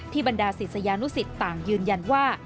บรรดาศิษยานุสิตต่างยืนยันว่า